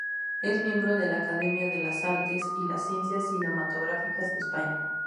Es miembro de la Academia de las Artes y las Ciencias Cinematográficas de España.